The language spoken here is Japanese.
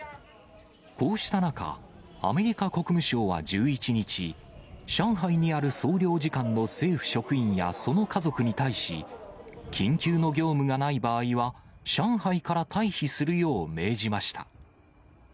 こうした中、アメリカ国務省は１１日、上海にある総領事館の政府職員やその家族に対し、緊急の業務がない場合は、上海から退避するよう命じました。